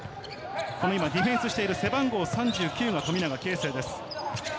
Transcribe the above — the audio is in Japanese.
今、ディフェンスしてる背番号３９が富永啓生です。